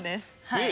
はい。